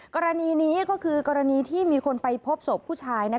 กรณีนี้ก็คือกรณีที่มีคนไปพบศพผู้ชาย